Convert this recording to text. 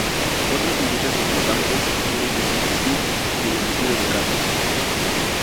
Otras industrias importantes son la industria textil y el embutido de carnes.